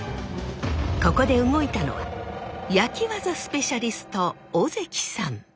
ここで動いたのは焼き技スペシャリスト小関さん。